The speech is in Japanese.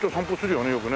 よくね。